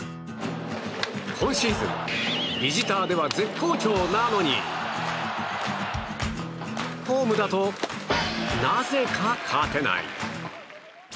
今シーズンビジターでは絶好調なのにホームだと、なぜか勝てない。